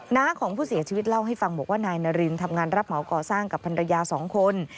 น้าของผู้เสียชีวิตเล่าให้ฟังบอกว่านายนารินทำงานรับเหมาก่อสร้างกับภรรยา๒คน